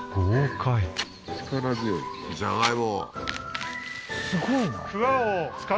じゃがいも